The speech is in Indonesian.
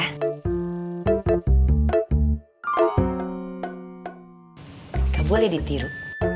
nggak boleh ditiru